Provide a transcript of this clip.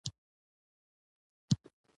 په سیاسي ډګر کې کمزورۍ احساس نه وي.